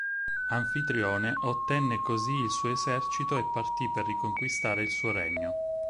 Anfitrione ottenne così il suo esercito e partì per riconquistare il suo regno.